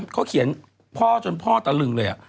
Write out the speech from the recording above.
เขาเขียนพ่อจนพ่อตะลึงเลย